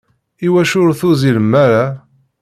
Iwacu ur tuzzilem ara?